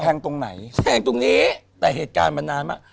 ตรงไหนแทงตรงนี้แต่เหตุการณ์มันนานมาก